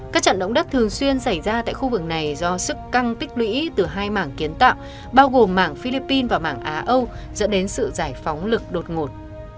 các trận động đất thường xuyên xảy ra tại khu vực này do sức căng tích lũy từ hai mảng kiến tạo bao gồm mạng philippines và mảng á âu dẫn đến sự giải phóng lực đột ngột